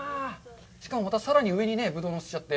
しかも、またさらに上にぶどうのせちゃって。